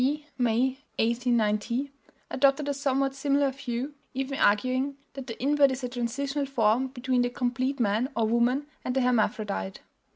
May, 1890) adopted a somewhat similar view, even arguing that the invert is a transitional form between the complete man or woman and the hermaphrodite.